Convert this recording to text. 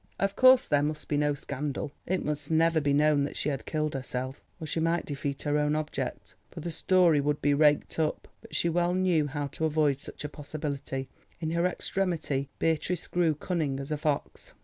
Of course there must be no scandal; it must never be known that she had killed herself, or she might defeat her own object, for the story would be raked up. But she well knew how to avoid such a possibility; in her extremity Beatrice grew cunning as a fox.